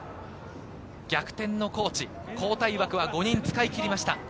逆転の高知、交代枠は５人使い切りました。